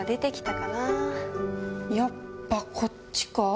やっぱこっちか？